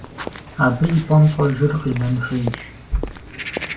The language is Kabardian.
Абы и пӀэм щӀэжыр къинэн хуейщ.